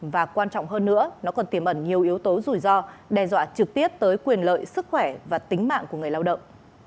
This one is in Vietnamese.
và quan trọng hơn nữa nó còn tiềm ẩn nhiều yếu tố rủi ro đe dọa trực tiếp tới quyền lợi sức khỏe và tính mạng của người lao động